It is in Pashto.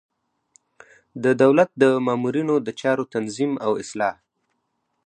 د دولت د مامورینو د چارو تنظیم او اصلاح.